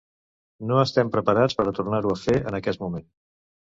No estem preparats per a tornar-ho a fer, en aquest moment.